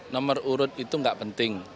nomor urut itu nggak penting